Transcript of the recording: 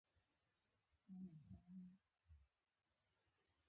زرڅانگه! خوندور پخلی کوي.